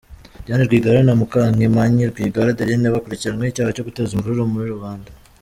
Dianne Rwigara na Mukangemanyi Rwigara Adeline bakurikiranweho icyaha cyo guteza imvururu muri rubanda.